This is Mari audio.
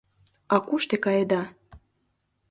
— А куш те каеда?..